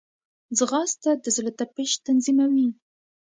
ځغاسته د زړه تپش تنظیموي